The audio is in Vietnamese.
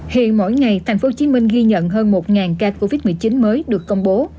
hiện mỗi ngày tp hcm ghi nhận hơn một ca covid một mươi chín mới được công bố